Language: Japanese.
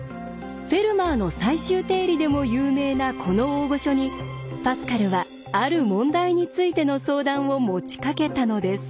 フェルマーの最終定理でも有名なこの大御所にパスカルはある問題についての相談を持ちかけたのです。